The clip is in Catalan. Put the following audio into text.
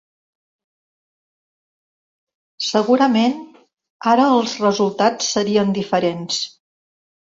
Segurament, ara els resultats serien diferents.